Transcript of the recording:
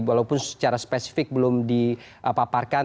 walaupun secara spesifik belum dipaparkan